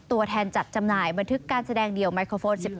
ตัวแทนจัดจำหน่ายบันทึกการแสดงเดี่ยวไมโครโฟน๑๘